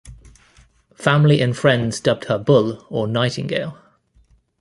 Family and friends dubbed her "bul" or nightingale.